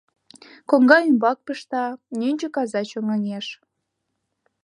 Коҥга ӱмбак пышта, нӧнчык аза чонаҥеш.